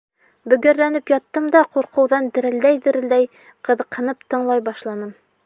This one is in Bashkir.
Бөгәрләнеп яттым да ҡурҡыуҙан дерелдәй-дерелдәй, ҡыҙыҡһынып тыңлай башланым.